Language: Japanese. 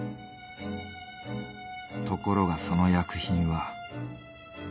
ところがその薬品は。